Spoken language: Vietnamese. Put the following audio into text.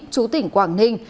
chủ tỉnh quảng ninh